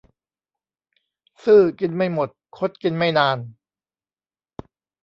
ซื่อกินไม่หมด คดกินไม่นาน